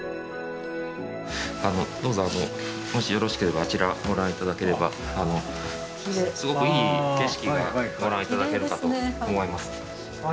どうぞあのもしよろしければあちらご覧頂ければすごくいい景色がご覧頂けるかと思います。